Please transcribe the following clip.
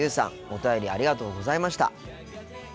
お便りありがとうございました。